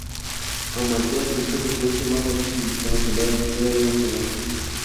Amaltea es el objeto celeste más rojizo del sistema solar, todavía más que Marte.